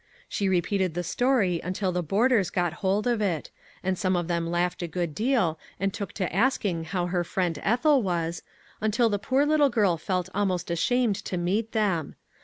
She repeated the story until the boarders got hold of it; and some of them laughed a good deal, and took to asking how her friend Ethel was, until the poor little girl felt almost ashamed to meet them.